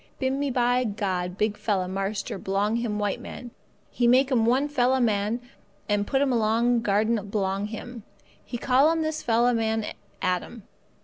"Bimeby God big fella marster belong white man He make 'm one fella man and put 'm along garden belong Him. He call 'm this fella man Adam.